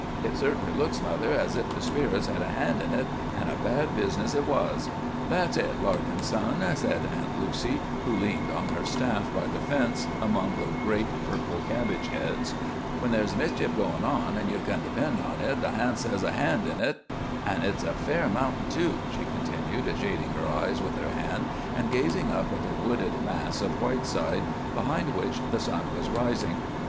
Hit certainly looks, mother, as if the spirits had a hand in hit, an' a bad business hit was." "That's hit, Larkin, son," said Aunt Lucy, who leaned on her staff by the fence among the great purple cabbage heads. "When there's mischief goin' on ye can depend on hit the harnts has a hand in hit. An' hit's a fair mountain, too," she continued, shading her eyes with her hand and gazing up at the wooded mass of Whiteside, behind which the sun was rising.